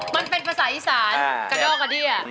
มันเป็นภาษาอีสานกระดอกกระเดี้ย